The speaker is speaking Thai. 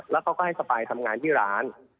แล้วเขาก็ให้สปายทำงานที่ร้าน